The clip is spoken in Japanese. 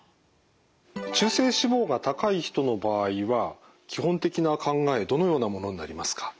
中性脂肪が高い人の場合は基本的な考えどのようなものになりますか？